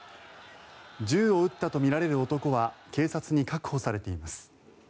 銃を撃ったとみられる男は警察に確保されています。